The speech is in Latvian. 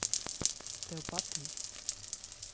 Tev patīk.